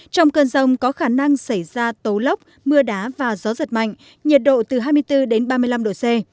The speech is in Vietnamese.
trong cơn rông có khả năng xảy ra tố lốc mưa đá và gió giật mạnh nhiệt độ từ hai mươi bốn đến ba mươi năm độ c